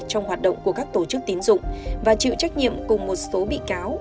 trong hoạt động của các tổ chức tín dụng và chịu trách nhiệm cùng một số bị cáo